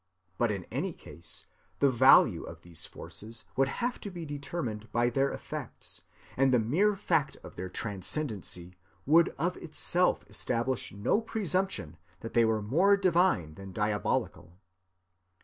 But in any case the value of these forces would have to be determined by their effects, and the mere fact of their transcendency would of itself establish no presumption that they were more divine than diabolical.